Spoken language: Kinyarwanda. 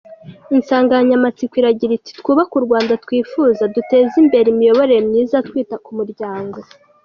Insanganyamatsiko iragira iti “Twubake u Rwanda twifuza, duteza imbere imiyoborere myiza, twita ku muryango”.